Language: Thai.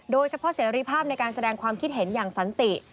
เสรีภาพในการแสดงความคิดเห็นอย่างสันติ